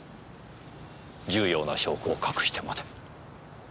重要な証拠を隠してまで。